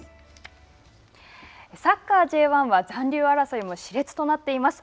サッカーＪ１は残留争いもしれつになっています。